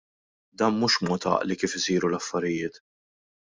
Dan mhux mod għaqli kif isiru l-affarijiet.